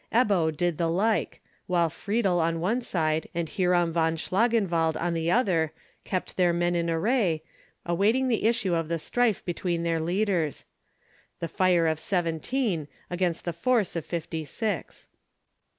Ebbo did the like, while Friedel on one side, and Hierom von Schlangenwald on the other, kept their men in array, awaiting the issue of the strife between their leaders—the fire of seventeen against the force of fifty six.